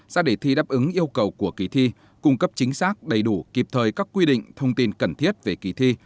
ra đề thi đáp ứng yêu cầu của kỳ thi cung cấp chính xác đầy đủ kịp thời các quy định thông tin cần thiết về kỳ thi